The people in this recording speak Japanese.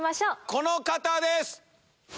この方です。